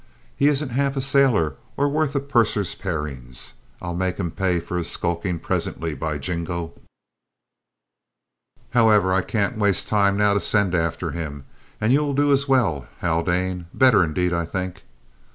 He isn't half a sailor or worth a purser's parings! I'll make him pay for his skulking presently, by Jingo! However, I can't waste the time now to send after him, and you'll do as well, Haldane better, indeed, I think!"